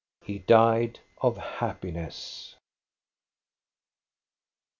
He died of happiness.